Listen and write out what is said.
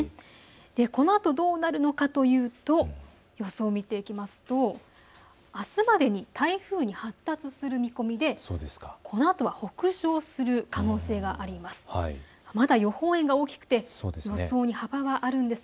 このあと、どうなるのかというと予想を見ていきますとあすまでに台風に発達する見込みでこのあとは北上する可能性があります。